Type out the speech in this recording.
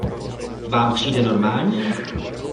Vám přijde normální?